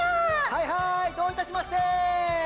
はいはいどういたしまして！